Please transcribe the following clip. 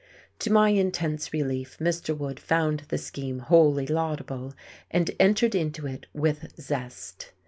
To my intense relief, Mr. Wood found the scheme wholly laudable, and entered into it with zest.